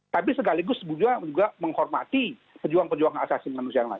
tapi segaligus beliau juga menghormati pejuang pejuang hak asasi manusia yang lain